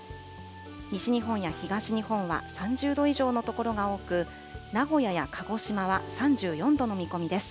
西日本や東日本は３０度以上の所が多く、名古屋や鹿児島は３４度の見込みです。